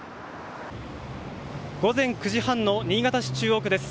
午前９時半の新潟市中央区です。